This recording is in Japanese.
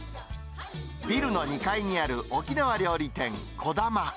ビルの２階にある沖縄料理店、こだま。